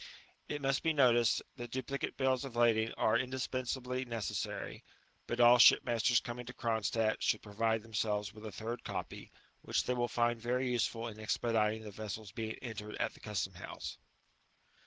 It must be noticed, that duplicate bills of lading are mdispensably necessary; but all shipmasters coming to Cronstadt diould provideUiem* selves with a third copy, which they will find very useful in expediting the vessel's being entered at the custom house.